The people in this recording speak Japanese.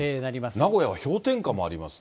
名古屋は氷点下もありますね。